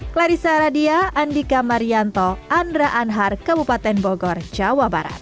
clarissa radia andika marianto andra anhar kabupaten bogor jawa barat